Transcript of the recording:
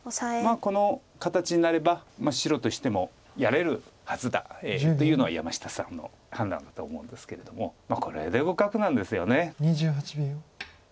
この形になれば白としてもやれるはずだというのが山下さんの判断だと思うんですけれどもこれで互角なんですよね。